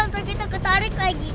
ntar kita ketarik lagi